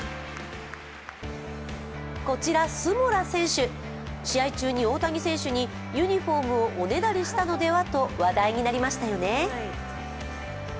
こちら、スモラ選手、試合中に大谷選手にユニフォームをおねだりしたのではと話題になりましたよね。